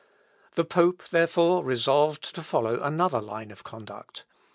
The pope, therefore, resolved to follow another line of conduct.